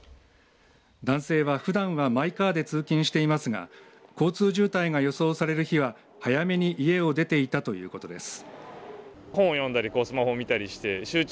男性は、ふだんはマイカーで通勤していますが交通渋滞が予想される日は早めに家を出ていたということです。